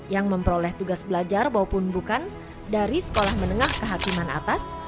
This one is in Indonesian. yang memperoleh tugas belajar maupun bukan dari sekolah menengah kehakiman atas